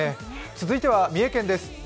続いては三重県です。